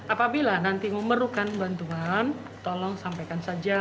apabila nanti memerlukan bantuan tolong sampaikan saja